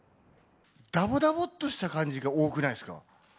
だぼだぼっとした感じが多くないですか。